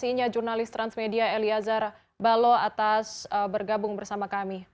terima kasih juga jurnalis transmedia eliazar baloh atas bergabung bersama kami